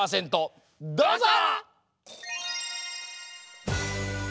どうぞ！